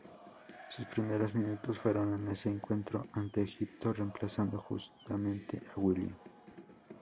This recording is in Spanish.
Sus primeros minutos fueron en ese encuentro ante Egipto reemplazando justamente a Willian.